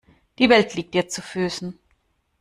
Die Welt liegt dir zu Füßen.